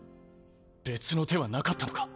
別の手はなかったのか？